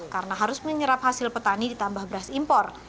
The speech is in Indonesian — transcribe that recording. karena harus menyerap hasil petani ditambah beras impor